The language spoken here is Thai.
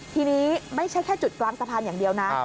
ทีนี้ไม่ใช่แค่จุดกลางสะพานอย่างเดียวนะ